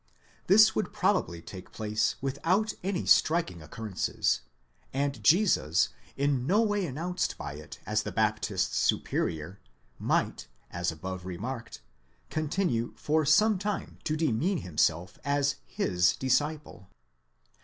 This would probably take place without any striking oc currences ; and Jesus, in no way announced by it as the Baptist's superior, might, as above remarked, continue for some time to demean himself as his disciple.